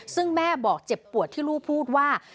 ซึ่งแม่บอกเจ็บปวดที่ลูกพูดว่า